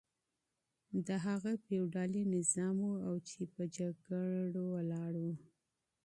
دا هغه فيوډالي نظام و چي په جنګونو ولاړ و.